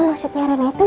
maksudnya itu makanan